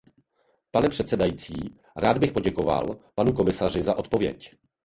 Pane předsedající, rád bych poděkoval panu komisaři za odpověď.